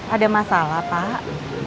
ada masalah pak